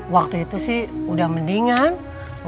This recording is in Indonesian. waktu itu sih udah mendingan